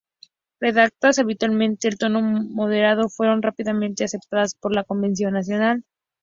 Redactadas hábilmente en tono moderado, fueron rápidamente aceptadas por la Convención Nacional.